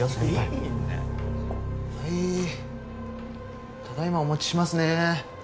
はいただ今お持ちしますね。